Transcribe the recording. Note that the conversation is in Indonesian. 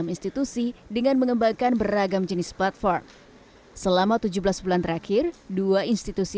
enam institusi dengan mengembangkan beragam jenis platform selama tujuh belas bulan terakhir dua institusi